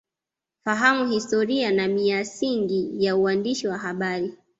Fahamu Historia Na Miasingi Ya Uwandishi Wa Habari